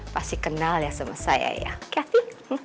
pasti kenal ya sama saya ya cathy